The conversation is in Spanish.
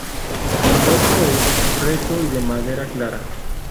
El otro es recto y de madera clara.